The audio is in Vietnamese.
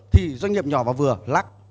thì doanh nghiệp nhỏ và vừa lắc